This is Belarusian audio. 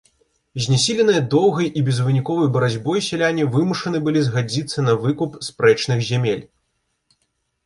Знясіленыя доўгай і безвыніковай барацьбой сяляне вымушаны былі згадзіцца на выкуп спрэчных зямель.